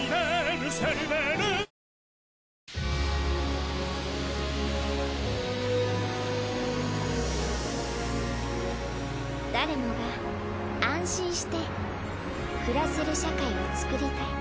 ミミ：誰もが安心して暮らせる社会を作りたい。